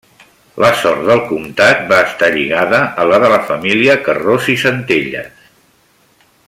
La sort del comtat va estar lligada a la de família Carròs i Centelles.